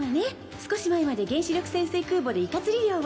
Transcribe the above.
少し前まで原子力潜水空母でイカ釣り漁を